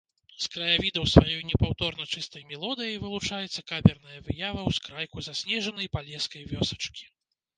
З краявідаў сваёй непаўторна-чыстай мелодыяй вылучаецца камерная выява ўскрайку заснежанай палескай вёсачкі.